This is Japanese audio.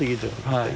はい。